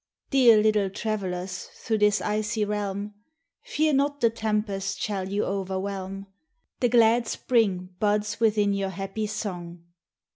Dear little travelers through this icy realm, Fear not the tempest shall you overwhelm; The glad spring buds within your happy song.